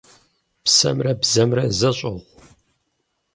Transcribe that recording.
Псэмрэ бзэмрэ зэщӀыгъу?